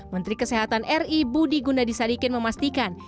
menteri kesehatan ri budi gunadisadikin memastikan